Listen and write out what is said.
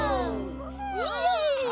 イエイ！